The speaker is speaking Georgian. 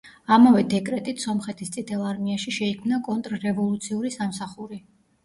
ამავე დეკრეტით სომხეთის წითელ არმიაში შეიქმნა კონტრრევოლუციური სამსახური.